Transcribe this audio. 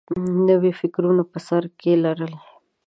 نوي فکرونه په سر کې لرل